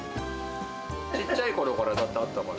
ちっちゃいころから、だってあったから。